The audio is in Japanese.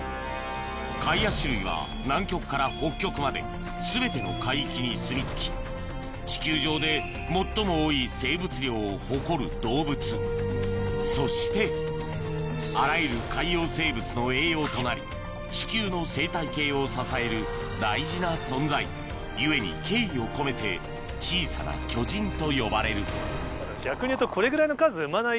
カイアシ類は南極から北極まで全ての海域にすみ着き地球上で最も多い生物量を誇る動物そしてあらゆる海洋生物の栄養となり地球の生態系を支える大事な存在故に敬意を込めて小さな巨人と呼ばれる逆にいうと。